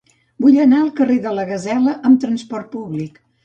Vull anar al carrer de la Gasela amb trasport públic.